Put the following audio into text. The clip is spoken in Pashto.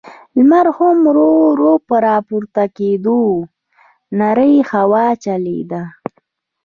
لمر هم ورو، ورو په راپورته کېدو و، نرۍ هوا چلېده.